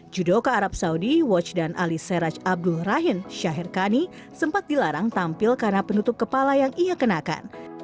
judo ke arab saudi wajdan ali seraj abdul rahim syahir kani sempat dilarang tampil karena penutup kepala yang ia kenakan